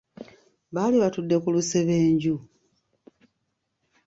Baali batudde ku lusebenju.